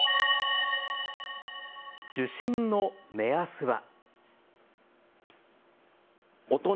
受診の目安は。